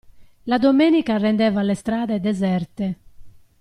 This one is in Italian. La domenica rendeva le strade deserte.